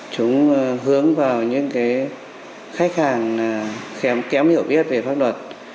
chúng hướng vào những khách hàng kém hiểu biết về pháp luật